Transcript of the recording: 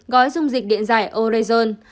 gói dung dịch điện giải orezon